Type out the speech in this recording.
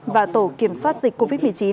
và tổ kiểm soát dịch covid một mươi chín